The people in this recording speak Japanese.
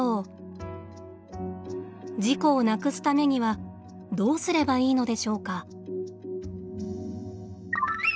事故をなくすためにはどうすればいいのでしょうか。